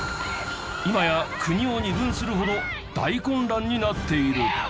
今や国を二分するほど大混乱になっている。